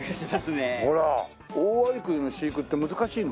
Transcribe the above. オオアリクイの飼育って難しいの？